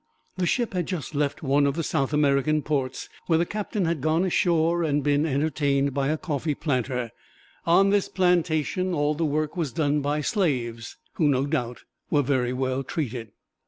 The ship had just left one of the South American ports where the captain had gone ashore and been entertained by a coffee planter. On this plantation all the work was done by slaves, who, no doubt, were very well treated.